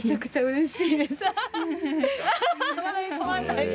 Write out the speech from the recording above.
うれしい。